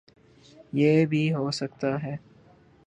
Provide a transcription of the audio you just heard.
یہ بھی ہوسکتا ہے